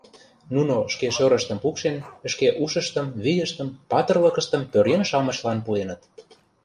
Нуно, шке шӧрыштым пукшен, шке ушыштым, вийыштым, патырлыкыштым пӧръеҥ-шамычлан пуэныт.